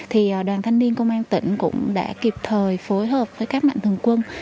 thì đoàn thanh niên công an tỉnh cũng đã kịp thời phối hợp với các mạnh thường quân